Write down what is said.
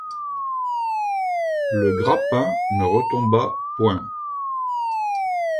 Le grappin ne retomba point.